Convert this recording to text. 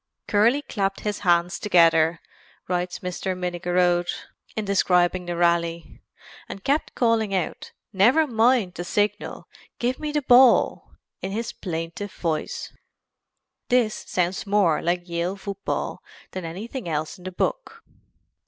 "Curly clapped his hands together," writes Mr. Minnigerode in describing the rally, "and kept calling out 'Never mind the signal! Give me the ball' in his plaintive voice" This sounds more like Yale football than anything else in the book.